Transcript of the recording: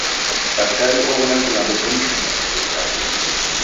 Daktari ow'ona kilambo chemshinua imbiri yape.